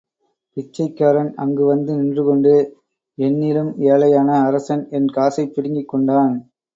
பிச்சைக்காரன் அங்கு வந்து நின்று கொண்டு, என்னிலும் ஏழையான அரசன் என் காசைப் பிடுங்கிக் கொண்டான்.